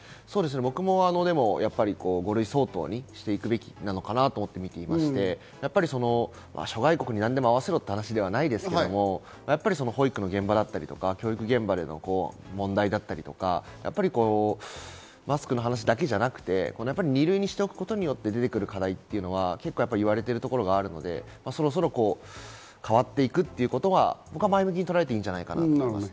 僕も５類相当にしていくべきなのかなと思って見ていまして、諸外国に何でも合わせるという話ではないですけど、保育の現場だったり教育現場での問題だったりとか、マスクの話だけじゃなくて、２類にしておくことによって出てくる課題というのは結構言われているところがあるので、そろそろ変わっていくということは前向きにとらえていいんじゃないかと僕は思います。